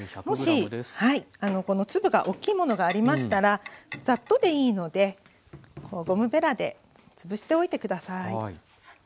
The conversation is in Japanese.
もしこの粒が大きいものがありましたらざっとでいいのでゴムべらでつぶしておいて下さい。